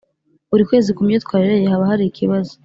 buri kwezi ku myitwarire ye haba hari ikibazo